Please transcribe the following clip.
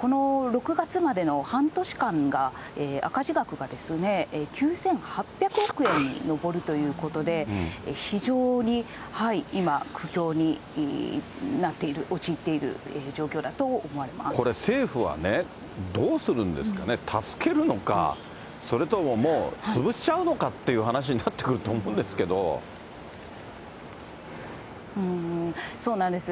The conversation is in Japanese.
この６月までの半年間が、赤字額が９８００億円に上るということで、非常に今、苦境になっている、これ、政府はね、どうするんですかね、助けるのか、それとももう潰しちゃうのかという話になってくると思うんですけそうなんです。